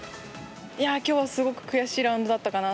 いやぁ、きょうはすごく悔しいラウンドだったかな。